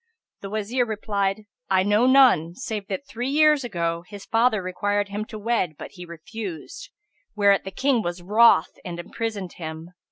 The Wazir replied, "I know none, save that, three years ago, his father required him to wed, but he refused; whereat the King was wroth and imprisoned him.